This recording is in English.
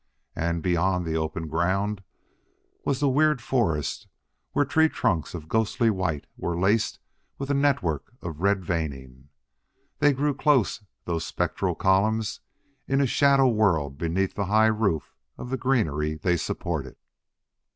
And, beyond the open ground, was the weird forest, where tree trunks of ghostly white were laced with a network of red veining. They grew close, those spectral columns, in a shadow world beneath the high roof of greenery they supported.